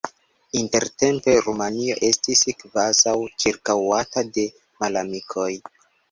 Intertempe Rumanio estis kvazaŭ ĉirkaŭata de malamikoj.